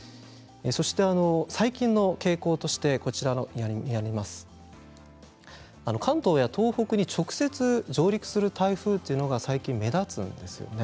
最近の傾向として関東や東北に直接上陸する台風が最近、目立つんです。